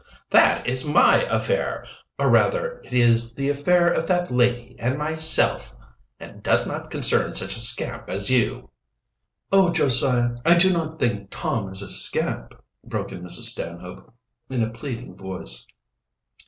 "That is my affair or, rather, it is the affair of that lady and myself and does not concern such a scamp as you." "Oh, Josiah! I do not think Tom is a scamp," broke in Mrs. Stanhope, in a pleading voice.